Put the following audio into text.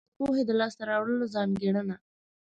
د پوهې د لاس ته راوړلو ځانګړنه.